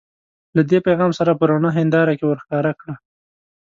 له دې پیغام سره په رڼه هنداره کې ورښکاره کړه.